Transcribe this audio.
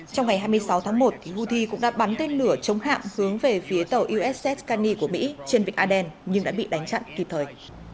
trong ngày hai mươi sáu tháng một houthi cũng đã bắn tên lửa chống hạm hướng về phía tàu uss caney của mỹ trên vịnh aden nhưng đã bị đánh chặn kịp thời